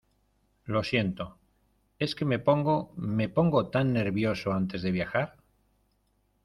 Lo siento. Es que me pongo me pongo tan nervioso antes de viajar .